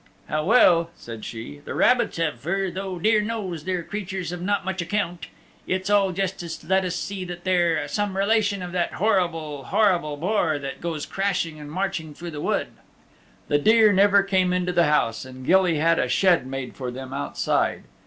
"How well," said she, "the rabbits have fur, though dear knows they're creatures of not much account. It's all just to let us see that they're some relation of that horrible, horrible boar that goes crashing and marching through the wood." The deer never came into the house, and Gilly had a shed made for them outside.